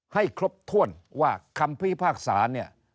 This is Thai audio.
ให้ครบถ้วนว่าคำพิพากษาเนี่ย